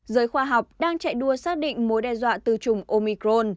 giới khoa học đang chạy đua xác định mối đe dọa từ chủng omicron